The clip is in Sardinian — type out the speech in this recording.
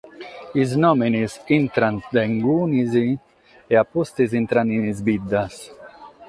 Sos nùmenes intrant dae inie e a pustis intrant in sas biddas.